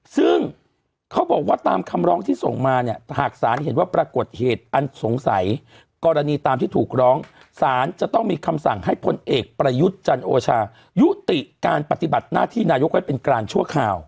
ซึ่งเขาบอกว่าตามคำร้องที่ส่งมาเนี่ยหากศาลเห็นว่าปรากฏเหตุอันสงสัยกรณีตามที่ถูกร้องศาลจะต้องมีคำสั่งให้พลเอกประยุทธ์จันโอชายุติการปฏิบัติหน้าที่นายกไว้เป็นการชั่วคราว